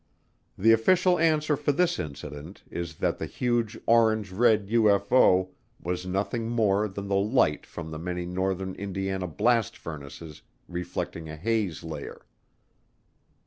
The official answer for this incident is that the huge orange red UFO was nothing more than the light from the many northern Indiana blast furnaces reflecting a haze layer.